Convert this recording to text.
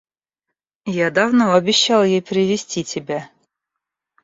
Я давно обещал ей привезти тебя.